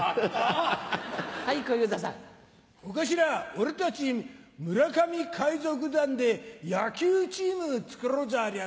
俺たち村上海賊団で野球チームつくろうじゃありやせんか。